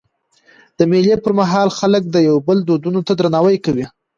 د مېلو پر مهال خلک د یو بل دودونو ته درناوی کوي.